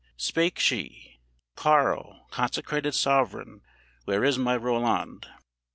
Spake she: 'Karl, consecrated sovereign, where is my Roland?